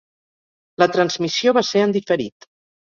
La transmissió va ser en diferit.